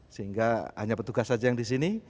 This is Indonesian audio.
sehingga hanya petugas saja yang disini